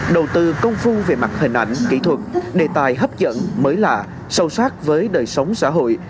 đầu tư công phu về mặt hình ảnh kỹ thuật đề tài hấp dẫn mới lạ sâu sát với đời sống xã hội